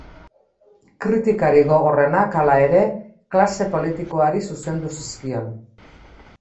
Kritikarik gogorrenak, hala ere, klase politikoari zuzendu zizkion.